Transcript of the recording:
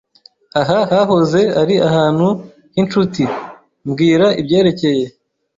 "Aha hahoze ari ahantu h'inshuti." "Mbwira ibyerekeye."